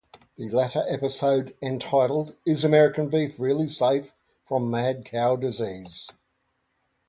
The latter episode, entitled Is American Beef Really Safe from Mad Cow Disease?